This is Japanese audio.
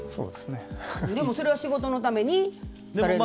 でも、それは仕事のためにと。